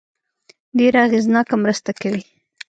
ډېره اغېزناکه مرسته کوي.